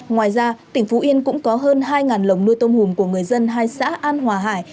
ngoài ra tỉnh phú yên cũng có hơn hai lồng nuôi tôm hùm của người dân hai xã an hòa hải